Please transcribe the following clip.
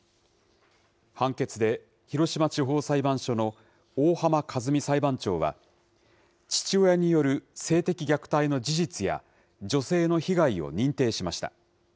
判決で、広島地方裁判所の大浜寿美裁判長は、父親による性的虐待の事実や女性の被害を認定しました。